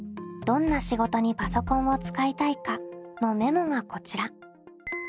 「どんな仕事にパソコンを使いたいか？」のメモがこちら。